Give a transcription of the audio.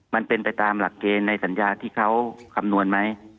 มันเป็นไปตามหลักเกณฑ์ในสัญญาที่เขาคำนวณไหม